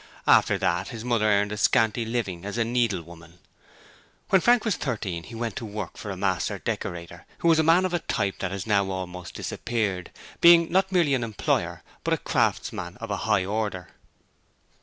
After that his mother earned a scanty living as a needle woman. When Frank was thirteen he went to work for a master decorator who was a man of a type that has now almost disappeared, being not merely an employer but a craftsman of a high order.